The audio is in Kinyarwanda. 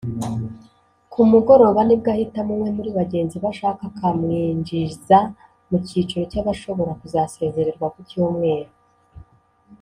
Ku mugoroba nibwo ahitamo umwe muri bagenzi be ashaka akamwinjiza mu cyiciro cy’abashobora kuzasezererwa ku Cyumweru